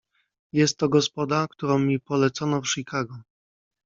"Jest to gospoda, którą mi polecono w Chicago."